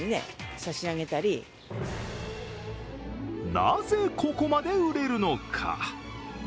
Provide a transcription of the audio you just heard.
なぜここまで売れるのか。